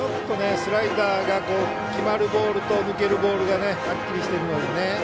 スライダーが決まるボールと抜けるボールがはっきりしているので。